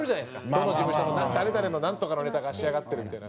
どの事務所の誰々のナントカのネタが仕上がってるみたいな。